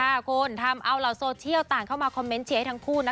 คุณทำเอาเหล่าโซเชียลต่างเข้ามาคอมเมนต์เชียร์ให้ทั้งคู่นะ